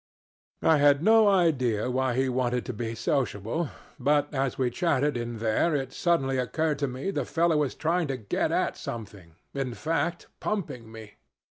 "I had no idea why he wanted to be sociable, but as we chatted in there it suddenly occurred to me the fellow was trying to get at something in fact, pumping me.